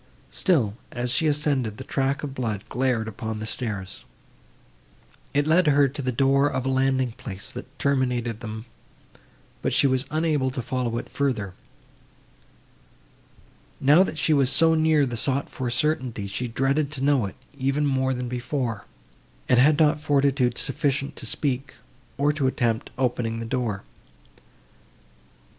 Still, as she ascended, the track of blood glared upon the stairs. It led her to the door of a landing place, that terminated them, but she was unable to follow it farther. Now that she was so near the sought for certainty, she dreaded to know it, even more than before, and had not fortitude sufficient to speak, or to attempt opening the door.